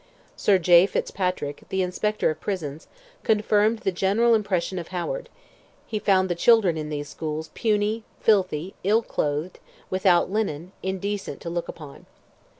Sir J. Fitzpatrick, the Inspector of Prisons, confirmed the general impression of Howard: he found the children in these schools "puny, filthy, ill clothed, without linen, indecent to look upon."